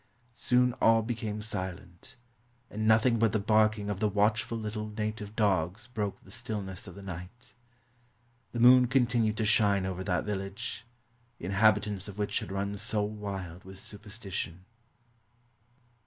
Soon all became silent, and nothing but the barking of the watchful little native dogs broke the stillness of the night. The moon continued to shine over that village, the inhabitants of which had run so wild with superstition.